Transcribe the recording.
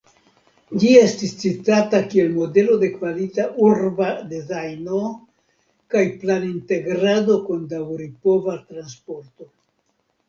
Ĝi estis citita kiel modelo de kvalita urba dezajno kaj planintegrado kun daŭripova transporto.